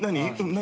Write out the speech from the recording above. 何？